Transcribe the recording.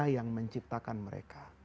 saya yang menciptakan mereka